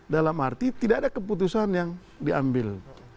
dalam arti tidak ada keputusan yang diambil